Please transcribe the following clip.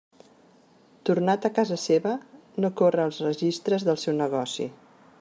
Tornat a casa seva, no corre als registres del seu negoci.